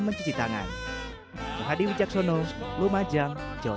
mengingat pandemi masih belum berakhir